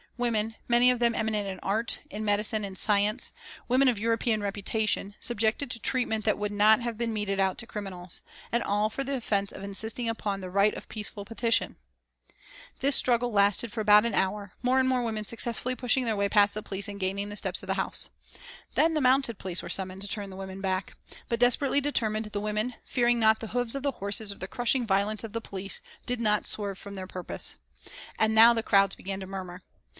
Women, many of them eminent in art, in medicine and science, women of European reputation, subjected to treatment that would not have been meted out to criminals, and all for the offence of insisting upon the right of peaceful petition. [Illustration: FOR HOURS SCENES LIKE THIS WERE ENACTED ON BLACK FRIDAY November, 1910] This struggle lasted for about an hour, more and more women successfully pushing their way past the police and gaining the steps of the House. Then the mounted police were summoned to turn the women back. But, desperately determined, the women, fearing not the hoofs of the horses or the crushing violence of the police, did not swerve from their purpose. And now the crowds began to murmur.